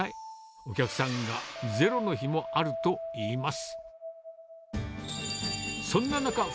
お客さんがゼロの日もあるといいます。